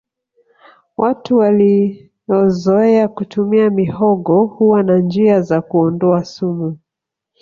watu waliozoea kutumia mihogo huwa na njia za kuondoa sumu